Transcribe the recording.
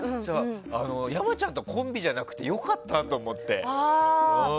山ちゃんとコンビじゃなくて良かったって思って。